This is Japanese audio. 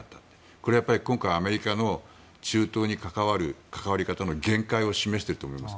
これはアメリカの中東に関わる、関わり方の限界を示していると思います。